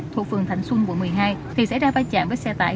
thuộc phường thành xuân quận một mươi hai thì xảy ra va chạm với xe tải